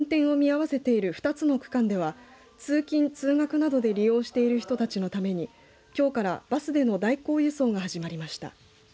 このため運転を見合わせている２つの区間では通勤・通学などで利用している人たちのためにきょうからバスでの代行輸送が始まりました。